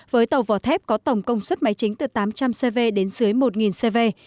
với tàu vỏ thép có tổng công suất máy chính từ tám trăm linh cv đến dưới một cv